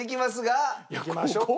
いきましょうか。